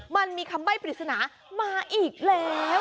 มันมีคำใบ้ปริศนามาอีกแล้ว